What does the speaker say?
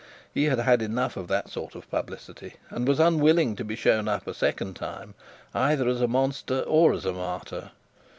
He had had enough of that sort of publicity, and was unwilling to be shown up a second time either as a monster or as a martyr.